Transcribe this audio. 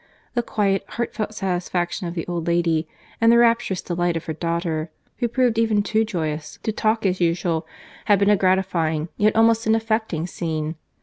The quiet, heart felt satisfaction of the old lady, and the rapturous delight of her daughter—who proved even too joyous to talk as usual, had been a gratifying, yet almost an affecting, scene.